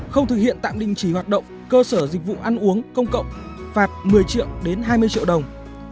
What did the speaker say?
không thực hiện tạm đình chỉ hoạt động cơ sở dịch vụ ăn uống công cộng phạt một mươi triệu đến hai mươi triệu đồng